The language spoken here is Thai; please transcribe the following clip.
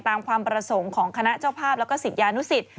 กับความประสงค์ของคณะเจ้าภาพและสิทธิ์ยานุสิต